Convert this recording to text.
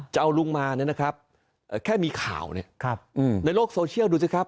จะเอาลุงมาเนี่ยนะครับแค่มีข่าวเนี่ยในโลกโซเชียลดูสิครับ